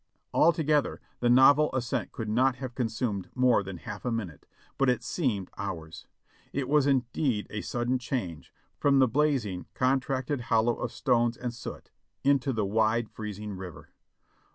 Altogether the novel ascent could not have consumed more than half a minute, but it seemed hours. It was indeed a sudden change, from the blazing, contracted hollow of stones and soot into the wide, freezing river.